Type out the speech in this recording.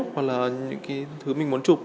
hoặc là những cái thứ mình muốn chụp